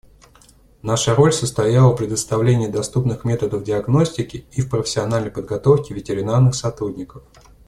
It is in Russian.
Наша роль состояла в предоставлении доступных методов диагностики и в профессиональной подготовке ветеринарных сотрудников.